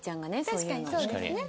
確かにそうですね。